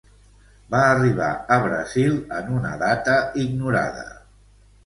Va arribar a Brasil en una data ignorada.